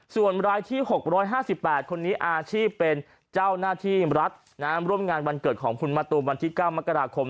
ส่วนรายที่๖๕๘คนนี้อาชีพเป็นเจ้าหน้าที่รัฐร่วมงานวันเกิดของคุณมะตูมวันที่๙มกราคม